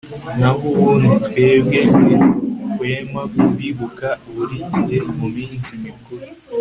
naho ubundi, twebwe ntiduhwema kubibuka buri gihe mu minsi mikuru